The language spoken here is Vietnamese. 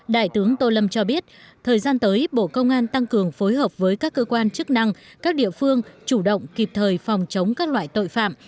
đại tướng tô lâm cho biết thời gian tới bộ công an tăng cường phối hợp với các cơ quan chức năng các địa phương chủ động kịp thời phòng chống các loại tội phạm